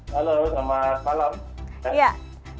halo selamat malam